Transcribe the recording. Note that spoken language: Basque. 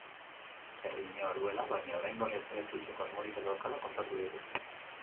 Herrimina baduela, baina oraingoz etxera itzultzeko asmorik ez daukala kontatu digu.